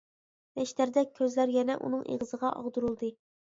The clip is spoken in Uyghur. نەشتەردەك كۆزلەر يەنە ئۇنىڭ ئېغىزىغا ئاغدۇرۇلدى.